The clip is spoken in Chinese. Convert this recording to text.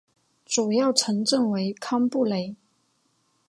主要城镇为康布雷。